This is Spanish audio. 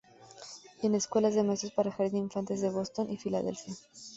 Y en Escuelas de maestras para jardín de infantes de Boston y Filadelfia.